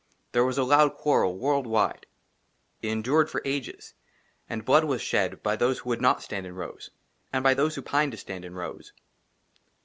THERE WAS A LOUD QUARREL, WORLD WIDE. IT ENDURED FOR AGES ; AND BLOOD WAS SHED BY THOSE WHO WOULD NOT STAND IN ROWS, AND BY THOSE WHO PINED TO STAND IN ROWS.